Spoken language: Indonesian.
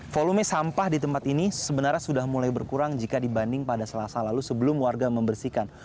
volume sampah di tempat ini sebenarnya sudah mulai berkurang jika dibanding pada selasa lalu sebelum warga membersihkan